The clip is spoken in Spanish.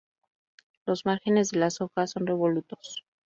Los márgenes de las hojas son revolutos.